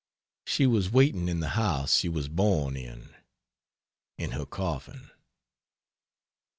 She was waiting in the house she was born in, in her coffin.